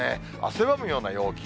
汗ばむような陽気。